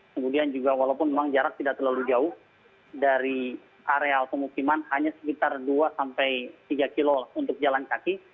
kemudian juga walaupun memang jarak tidak terlalu jauh dari area pemukiman hanya sekitar dua sampai tiga kilo untuk jalan kaki